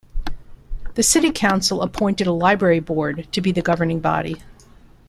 The City Council appointed a Library Board to be the governing body.